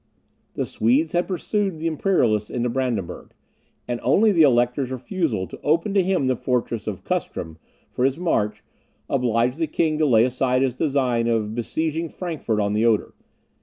The Swedes had pursued the Imperialists into Brandenburg; and only the Elector's refusal to open to him the fortress of Custrin for his march, obliged the king to lay aside his design of besieging Frankfort on the Oder.